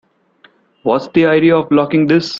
What's the idea of locking this?